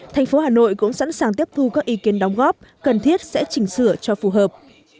thành phố hà nội cũng sẵn sàng tiếp thu các ý kiến đóng góp cần thiết sẽ chỉnh sửa cho phù hợp